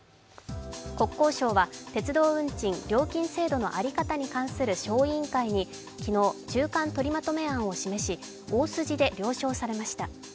国交省は、鉄道運賃・料金制度のあり方に関する小委員会に昨日、中巻取りまとめ案を示し、大筋で了承されました。